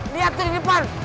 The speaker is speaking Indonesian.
lihat tuh di depan